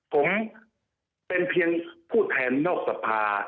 ผมเป็นเพียงผู้แทนนอกสภา